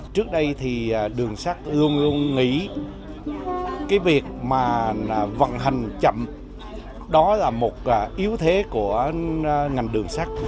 trước đây thì đường sắt luôn luôn nghĩ cái việc mà vận hành chậm đó là một yếu thế của ngành đường sắt